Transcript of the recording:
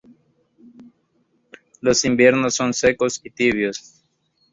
Los inviernos son secos y tibios.